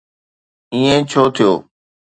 ائين ڇو ٿيو؟